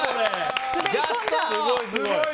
すごい！